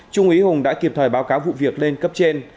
trung ý hùng đã kịp thời báo cáo vụ việc lên cấp trên